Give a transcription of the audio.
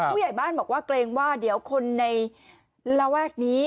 ผู้ใหญ่บ้านบอกว่าเกรงว่าเดี๋ยวคนในระแวกนี้